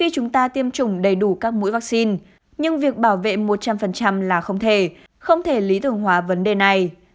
chúng ta tiêm chủng đầy đủ các mũi vaccine nhưng việc bảo vệ một trăm linh là không thể không thể lý tưởng hóa vấn đề này